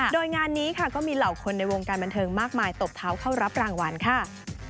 โดยงานนี้ค่ะก็มีเหล่าคนในวงการบันเทิงมากมายตบเท้าเข้ารับรางวัลค่ะ